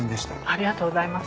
ありがとうございます。